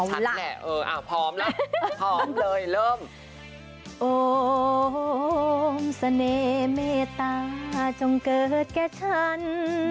ฉันแหละเออพร้อมแล้วพร้อมเลยเริ่มโอ้มเสน่ห์เมตตาจงเกิดแก่ฉัน